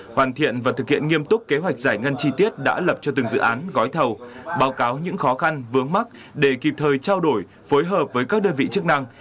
hoàn thiện và thực hiện nghiêm túc kế hoạch giải ngân chi tiết đã lập cho từng dự án gói thầu báo cáo những khó khăn vướng mắt để kịp thời trao đổi phối hợp với các đơn vị chức năng